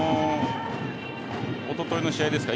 おとといの試合ですか。